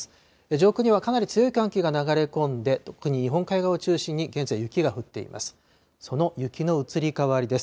上空には、かなり強い寒気が流れ込んで、特に日本海側を中心に現在、雪が降っています。